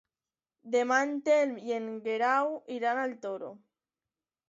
Demà en Telm i en Guerau iran al Toro.